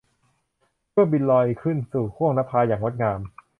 เครื่องบินลอยขึ้นสู่ห้วงนภาอย่างงดงาม